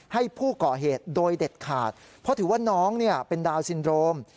ให้ผู้ก่อเหตุโดยเด็ดขาดเพราะถือว่าน้องเป็นดาวนซินโรม